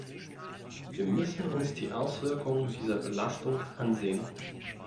Wir müssen uns die Auswirkungen dieser Belastung ansehen.